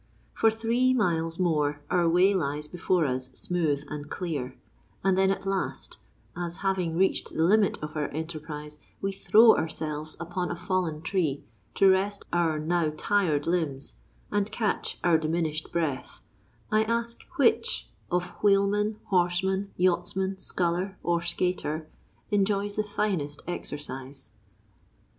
For three miles more our way lies before us smooth and clear; and then at last, as having reached the limit of our enterprise we throw ourselves upon a fallen tree, to rest our now tired limbs and catch our diminished breath, I ask which, of wheelman, horseman, yachtsman, sculler, or skater, enjoys the finest exercise?